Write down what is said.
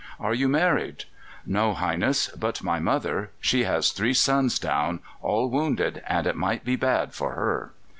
"Are you married?" "No, Highness; but my mother she has three sons down, all wounded, and it might be bad for her."